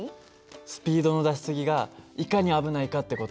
スピードの出し過ぎがいかに危ないかって事。